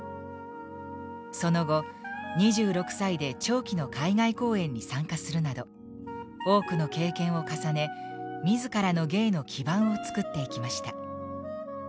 その後２６歳で長期の海外公演に参加するなど多くの経験を重ね自らの芸の基盤を作っていきました。